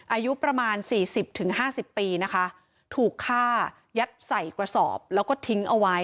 อายุประมาณ๔๐๕๐ปีถูกฆ่ายัดใสกว่าศพแล้วก็ทิ้งเอาไว้